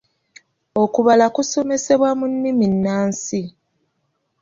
Okubala kusomesebwa mu nnimi nnansi.